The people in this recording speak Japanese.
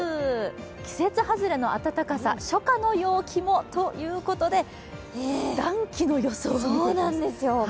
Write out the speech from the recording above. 季節外れの暖かさ、初夏の陽気もということで、暖気の予想ということですね。